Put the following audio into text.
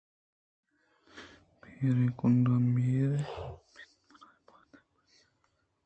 پیریں کونڈاں مُہریں پت ءُبلکیں مات بردیم ءُسبز ءَ رنگیں زَردمودیں گوٛہار ایشاں چہ بناربس ءِ جند ءِ رنگ ءُدانگءَ ہزار سری شر تر اَت